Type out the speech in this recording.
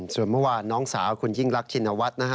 ส่วนเมื่อวานน้องสาวคุณยิ่งรักชินวัฒน์นะฮะ